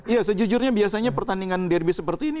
ya sejujurnya biasanya pertandingan derby seperti ini